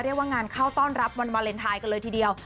เรียกว่างานเข้าต้อนรับวันวาเลนไทยกันเลยทีเดียว